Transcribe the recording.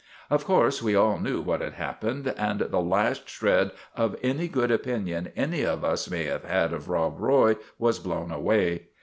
' Of course we all knew what had happened, and the last shred of any good opinion any of us may have had of Rob Roy was blown away.